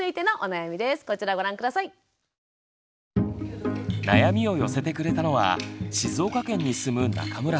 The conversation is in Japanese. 悩みを寄せてくれたのは静岡県に住む中村さん。